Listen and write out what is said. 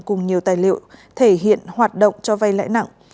cùng nhiều tài liệu thể hiện hoạt động cho vay lãi nặng